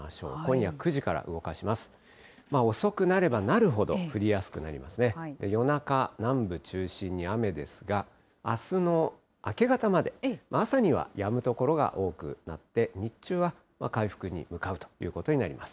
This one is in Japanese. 夜中、南部中心に雨ですが、あすの明け方まで、朝にはやむ所が多くなって、日中は回復に向かうということになります。